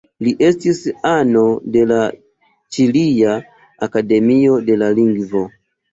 Li estis ano de la Ĉilia Akademio de la Lingvo.